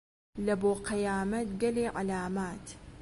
لەبۆ قیامەت گەلێ عەلامات